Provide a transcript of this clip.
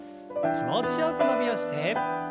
気持ちよく伸びをして。